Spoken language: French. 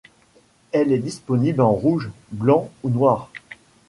Elle est disponible en rouge, blanc ou noir.